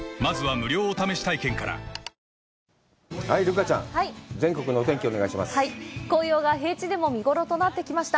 留伽ちゃん、全国のお天気をお願いします。